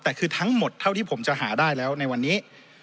แต่คือทั้งหมดเท่าที่ผมจะหาได้แล้วในวันนี้